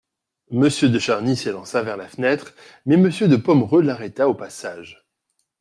Monsieur de Charny s'élança vers la fenêtre, mais Monsieur de Pomereux l'arrêta au passage.